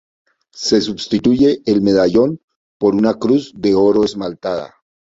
Se sustituye el medallón por una cruz de oro esmaltada.